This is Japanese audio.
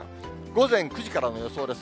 午前９時からの予想です。